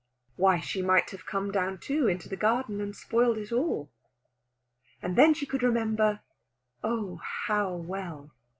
Why, she might have come down, too, into the garden, and spoiled it all! And then she could remember oh, how well!